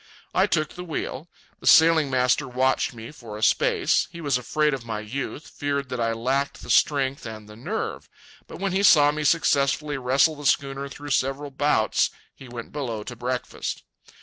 I took the wheel. The sailing master watched me for a space. He was afraid of my youth, feared that I lacked the strength and the nerve. But when he saw me successfully wrestle the schooner through several bouts, he went below to breakfast.